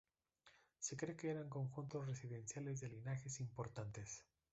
Se cree que eran conjuntos residenciales de linajes importantes.